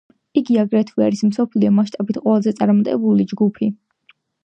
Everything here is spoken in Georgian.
იგი აგრეთვე არის მსოფლიო მასშტაბით ყველაზე წარმატებული ჯგუფი.